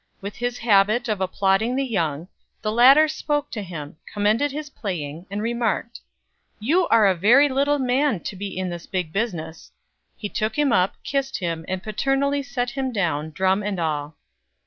With his habit of applauding the young, the latter spoke to him, commended his playing, and remarked: "You are a very little man to be in this big business!" He took him up, kissed him, and paternally set him down, drum and all.